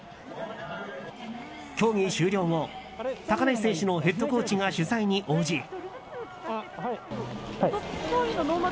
競技終了後高梨選手のヘッドコーチが取材に応じ。